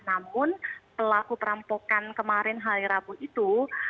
namun pelaku perampokan kemarin hari rabu itu